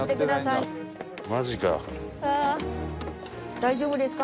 大丈夫ですか？